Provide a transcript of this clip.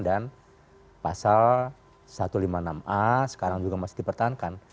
dan pasal satu ratus lima puluh enam a sekarang juga masih dipertahankan